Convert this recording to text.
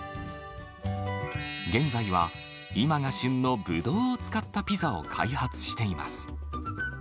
現在は、今が旬のブドウを使ったピザを開発しています。